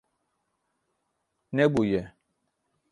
Nebûye.